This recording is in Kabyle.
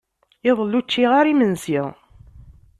Iḍelli ur ččiɣ ara imensi.